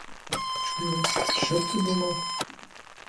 Чую: щоб ти думав?